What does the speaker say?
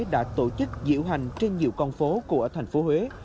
đã tổ chức diễu hành trên nhiều con phố của thành phố huế